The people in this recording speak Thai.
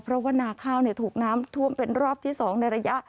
เพราะว่านาข้าวถูกน้ำท่วมเป็นรอบที่๒ในระยะ